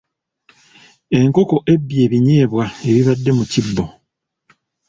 Enkoko ebbye ebinyeebwa ebibadde mu kibbo.